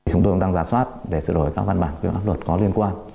chúng tôi đang giả soát để sửa đổi các văn bản quyết áp luật có liên quan